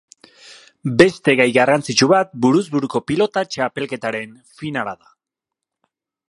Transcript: Beste gai garrantzitsu bat buruz buruko pilota txapelketaren finala da.